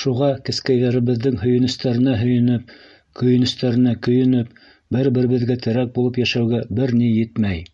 Шуға кескәйҙәребеҙҙең һөйөнөстәренә һөйөнөп, көйөнөстәренә көйөнөп, бер-беребеҙгә терәк булып йәшәүгә бер ни етмәй.